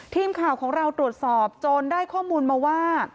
ทีมข่าวของเราตรวจสอบจนได้ข้อมูลมาว่า